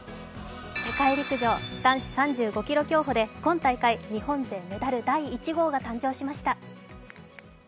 世界陸上、男子３５ｋｍ競歩で今大会日本勢メダル第１号が誕生しました。